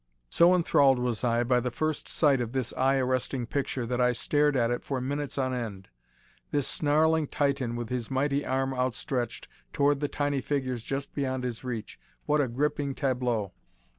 So enthralled was I by the first sight of this eye arresting picture that I stared at it for minutes on end. This snarling titan with his mighty arm outstretched toward the tiny figures just beyond his reach what a gripping tableau!